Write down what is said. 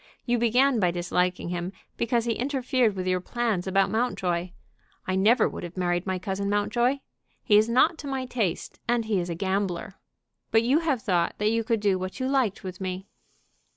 You began by disliking him, because he interfered with your plans about Mountjoy. I never would have married my cousin Mountjoy. He is not to my taste, and he is a gambler. But you have thought that you could do what you liked with me."